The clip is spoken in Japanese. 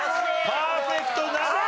パーフェクトならず！